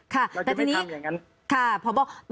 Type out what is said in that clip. เราจะไม่ทำอย่างนั้น